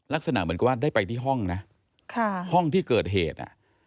ลักษณะเหมือนกับว่าได้ไปที่ห้องนะห้องที่เกิดเหตุ